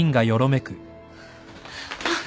あっ。